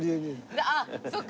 ああそっか！